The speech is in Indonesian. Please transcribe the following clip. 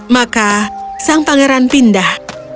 maka sang pangeran pindah